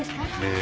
え？